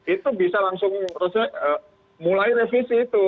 itu bisa langsung mulai revisi itu